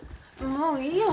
もういいよ。